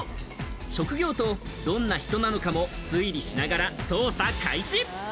職業と、どんな人なのかも推理しながら捜査開始。